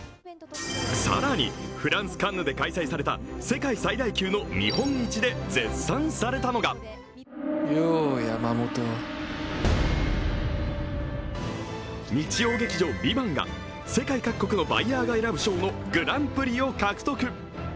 更にフランス・カンヌで開催された世界最大級の見本市で絶賛されたのが日曜劇場「ＶＩＶＡＮＴ」が世界各国のバイヤーが選ぶ賞のグランプリを獲得。